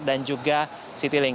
dan juga citylink